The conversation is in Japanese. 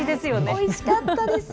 おいしかったです。